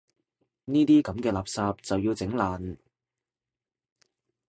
呢啲噉嘅垃圾就要整爛